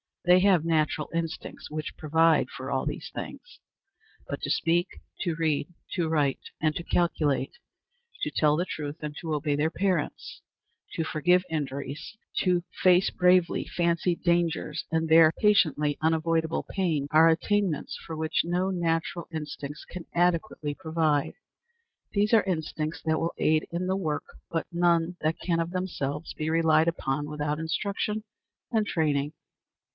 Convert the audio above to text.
They have natural instincts which provide for all these things. But to speak, to read, to write, and to calculate; to tell the truth, and to obey their parents; to forgive injuries, to face bravely fancied dangers and bear patiently unavoidable pain, are attainments for which no natural instincts can adequately provide. There are instincts that will aid in the work, but none that can of themselves be relied upon without instruction and training.